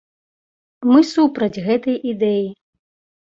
Мы супраць гэтай ідэі.